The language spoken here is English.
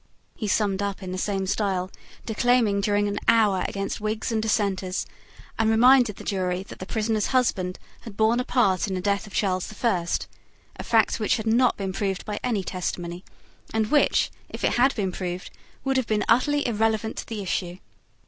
He summed up in the same style, declaimed during an hour against Whigs and Dissenters, and reminded the jury that the prisoner's husband had borne a part in the death of Charles the First, a fact which had not been proved by any testimony, and which, if it had been proved, would have been utterly irrelevant to the issue.